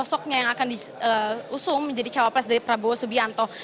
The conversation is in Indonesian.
dan sosoknya yang akan diusung menjadi cawa pres dari prabowo subianto